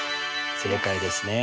正解ですね。